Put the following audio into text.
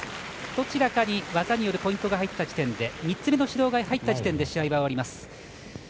どちらかに技によるポイントが入った時点３つ目の指導が入った時点で試合が終わります。